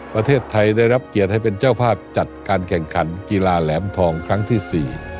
ประเทศไทยได้รับเกียรติให้เป็นเจ้าภาพจัดการแข่งขันกีฬาแหลมทองครั้งที่๔